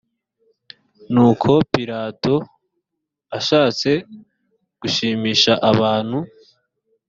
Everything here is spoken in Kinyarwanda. nuko pilato ashatse gushimisha abantu